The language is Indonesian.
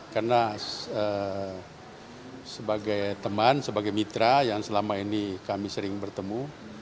karena sebagai teman sebagai mitra yang selama ini kami sering bertemu